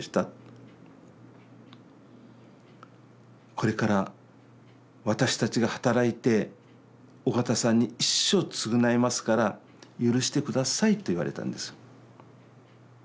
これから私たちが働いて緒方さんに一生償いますから許して下さい」と言われたんです。